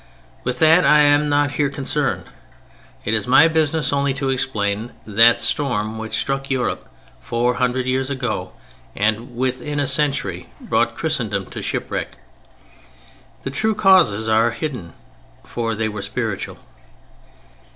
With that I am not here concerned. It is my business only to explain that storm which struck Europe four hundred years ago and within a century brought Christendom to shipwreck. The true causes are hidden—for they were spiritual.